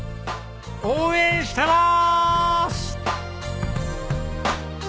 応援してます！